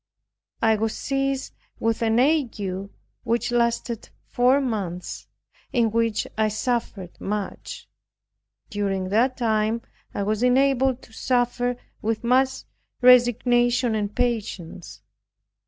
I was seized with an ague, which lasted four months, in which I suffered much. During that time, I was enabled to suffer with much resignation and patience.